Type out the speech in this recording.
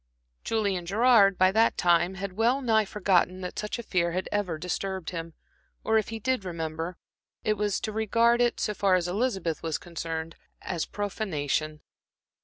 Julian Gerard, by that time, had well nigh forgotten that such a fear had ever disturbed him, or if he did remember it, it was to regard it, so far as Elizabeth was concerned, as profanation.